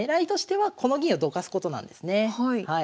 はい。